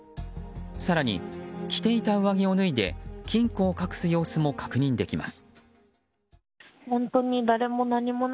更に来ていた上着を脱いで金庫を隠す様子も確認できます。